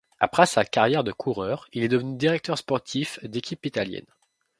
Après sa carrière de coureur, il est devenu directeur sportif d'équipes italiennes.